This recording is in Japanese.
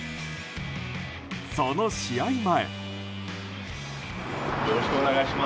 その試合前。